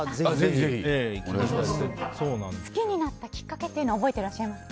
好きになったきっかけは覚えていらっしゃいますか？